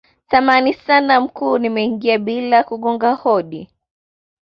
samahani sana mkuu nimeingia bila kugonga hodi